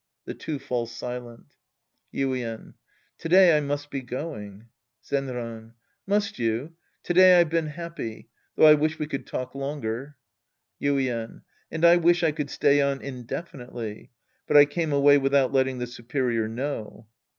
ij'he two fall silent^ Yuien. To day I must be going. Zenran. Must you ? To day I've been happy. Though I wish we could talk longer. Yuien. And I wish I could stay on indefinitely, but I eanie away without letting the superior know.